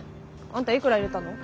あんたいくら入れたの？